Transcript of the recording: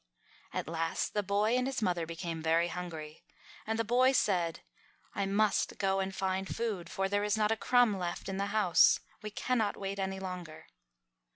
At last the boy and his mother became very hungry. And the boy said, "I must go and find food, for there is not a crumb left in the house. We cannot wait longer."